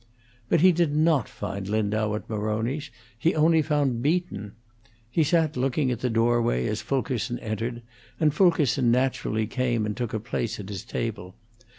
But he did not find Lindau at Maroni's; he only found Beaton. He sat looking at the doorway as Fulkerson entered, and Fulkerson naturally came and took a place at his table.